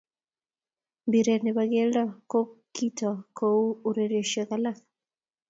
Mpiret ne bo kelto ko kitou kouu urerioshe alak tugul